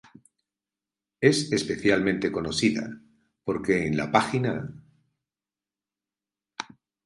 Es especialmente conocida porque en la pág.